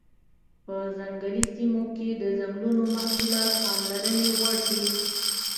په ځنګلي سیمو کې د ځنګلونو محصولات پاملرنې وړ دي.